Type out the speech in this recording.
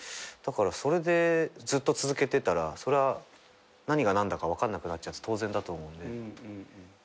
だからそれでずっと続けてたらそりゃあ何が何だか分かんなくなっちゃって当然だと思うんで。